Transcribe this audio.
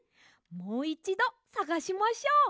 もういちどさがしましょう！